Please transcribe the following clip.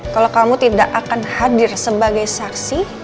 kalau kamu tidak akan hadir sebagai saksi